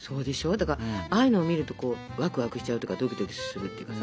だからああいうの見るとワクワクしちゃうとかドキドキするっていうかさ。